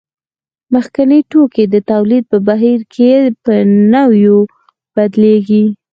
مخکیني توکي د تولید په بهیر کې په نویو بدلېږي